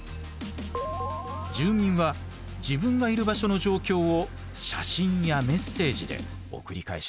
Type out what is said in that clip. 住民は自分がいる場所の状況を写真やメッセージで送り返します。